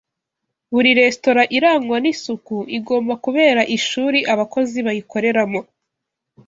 Buri resitora irangwa n’isuku igomba kubera ishuri abakozi bayikoreramo